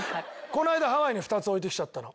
この間ハワイに２つ置いてきちゃったの。